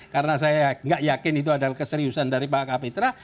karena saya nggak yakin itu adalah keseriusan dari pak kak pitra